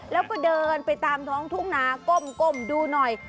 แล้วก็เดินไปตามท้องทุ่งนาก้มดูหน่อย